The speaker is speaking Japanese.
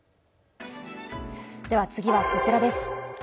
次はこちらです。